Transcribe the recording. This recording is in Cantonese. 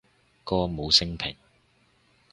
歌舞昇平